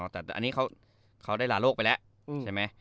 แต่อันนี้เขาได้หลาโลกไปแล้ว